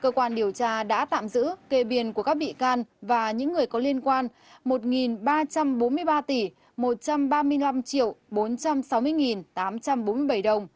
cơ quan điều tra đã tạm giữ kê biên của các bị can và những người có liên quan một ba trăm bốn mươi ba tỷ một trăm ba mươi năm bốn trăm sáu mươi tám trăm bốn mươi bảy đồng